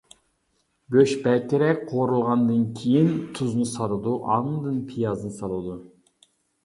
گۆش بەكرەك قورۇلغاندىن كېيىن، تۇزنى سالىدۇ ئاندىن پىيازنى سالىدۇ.